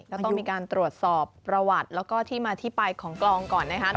ก็ต้องมีการตรวจสอบประวัติแล้วก็ที่มาที่ไปของกลองก่อนนะครับ